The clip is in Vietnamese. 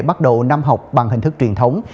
bắt đầu năm học bằng hình thức truyền thống